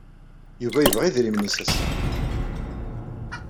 Yuba yebɣa idrimen-nnes ass-a.